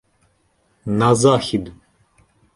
На захід